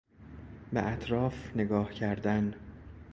به اطراف نگاه کردن